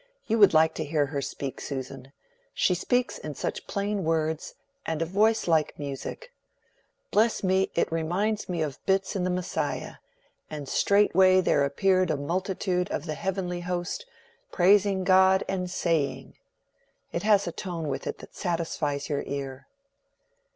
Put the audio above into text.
"You would like to hear her speak, Susan. She speaks in such plain words, and a voice like music. Bless me! it reminds me of bits in the 'Messiah'—'and straightway there appeared a multitude of the heavenly host, praising God and saying;' it has a tone with it that satisfies your ear."